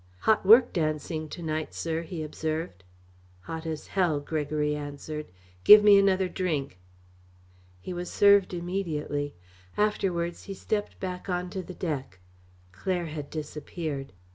"Hot work dancing to night, sir," he observed. "Hot as hell," Gregory answered. "Give me another drink." He was served immediately. Afterwards he stepped back on to the deck. Claire had disappeared.